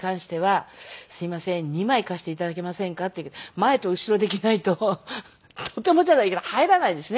前と後ろで着ないととてもじゃないけど入らないですね。